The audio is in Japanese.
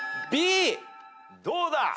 どうだ？